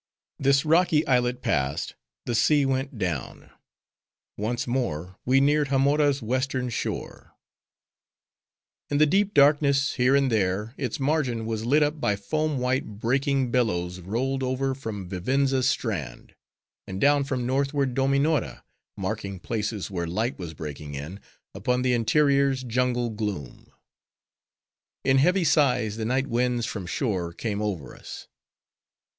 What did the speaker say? '" This rocky islet passed, the sea went down; once more we neared Hamora's western shore. In the deep darkness, here and there, its margin was lit up by foam white, breaking billows rolled over from Vivenza's strand, and down from northward Dominora; marking places where light was breaking in, upon the interior's jungle gloom. In heavy sighs, the night winds from shore came over us.